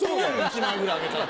１枚ぐらいあげたって。